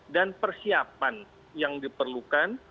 dan persiapan yang diperlukan